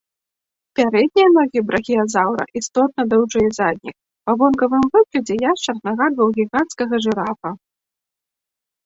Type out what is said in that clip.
Пярэднія ногі брахіязаўра істотна даўжэй задніх, па вонкавым выглядзе яшчар нагадваў гіганцкага жырафа.